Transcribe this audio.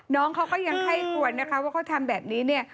น้องเขาก็ยังไข้ควรนะคะว่าเขาทำแบบนี้เนี่ย